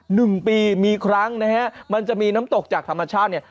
หนึ่งปีมีครั้งนะฮะมันจะมีน้ำตกจากธรรมชาติเนี่ย